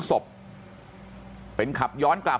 ครับคุณสาวทราบไหมครับ